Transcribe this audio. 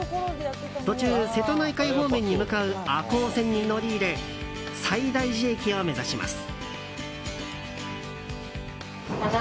途中、瀬戸内海方面に向かう赤穂線に乗り入れ西大寺駅を目指します。